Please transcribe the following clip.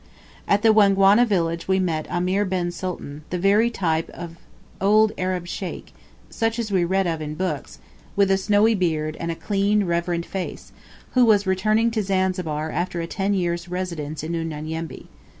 At the Wangwana village we met Amer bin Sultan, the very type of an old Arab sheikh, such as we read of in books, with a snowy beard, and a clean reverend face, who was returning to Zanzibar after a ten years' residence in Unyanyembe.